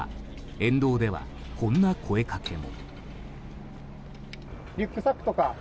沿道では、こんな声かけも。